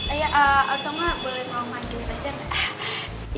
eh ya otomah boleh mau manggilin aja deh